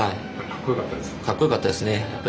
かっこよかったですか？